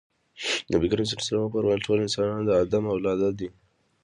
نبي کريم ص وفرمايل ټول انسانان د ادم اولاده دي.